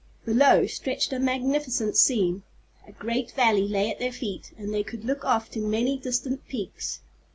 Below stretched a magnificent scene. A great valley lay at their feet, and they could look off to many distant peaks.